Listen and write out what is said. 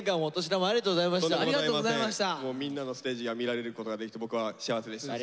もうみんなのステージが見られることができて僕は幸せでした。